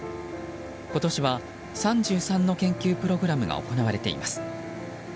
今年は３３の研究プログラムが行われています。